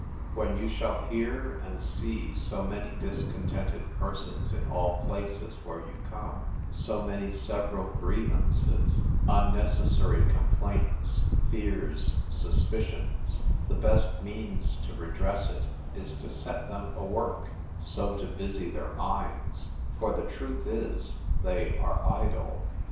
When you shall hear and see so many discontented persons in all places where you come, so many several grievances, unnecessary complaints, fears, suspicions, the best means to redress it is to set them awork, so to busy their minds; for the truth is, they are idle.